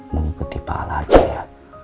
mengikuti pak al aja ya